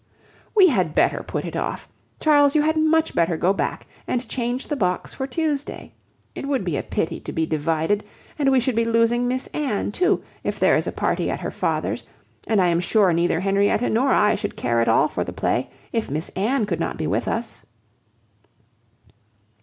"We had better put it off. Charles, you had much better go back and change the box for Tuesday. It would be a pity to be divided, and we should be losing Miss Anne, too, if there is a party at her father's; and I am sure neither Henrietta nor I should care at all for the play, if Miss Anne could not be with us."